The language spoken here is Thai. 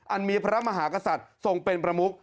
มีพระมหากษัตริย์ทรงเป็นประมุก